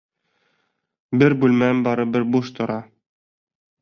Бер бүлмәм барыбер буш тора.